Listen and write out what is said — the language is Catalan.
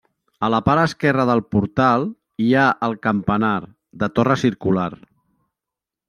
A la part esquerra del portal hi ha el campanar, de torre circular.